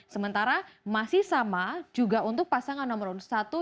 sementara masih sama juga untuk pasangan nomor satu